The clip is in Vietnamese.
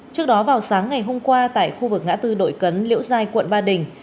trước đó vào sáng ngày hôm qua tại khu vực ngã tư đội cấn liễu giai quận ba đình